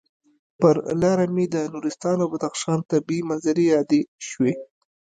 پر لاره مې د نورستان او بدخشان طبعي منظرې یادې شوې.